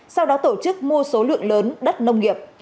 sau đó tổ chức mua số lượng lớn đất nông nghiệp